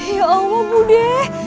ya allah budi